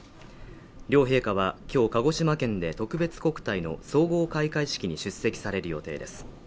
両陛下はきょう鹿児島県で特別国体の総合開会式に出席される予定です